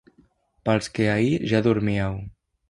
Pels que ahir ja dormíeu.